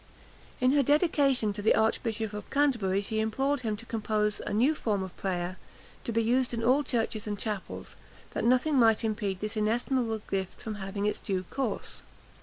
In her dedication to the Archbishop of Canterbury she implored him to compose a new form of prayer, to be used in all churches and chapels, that nothing might impede this inestimable gift from having its due course.